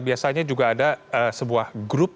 biasanya juga ada sebuah grup